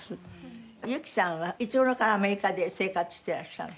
雪さんはいつ頃からアメリカで生活してらっしゃるの？